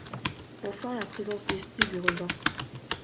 Enfin la présence d'esprit lui revint.